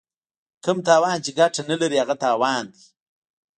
کوم تاوان چې ګټه نه لري هغه تاوان دی.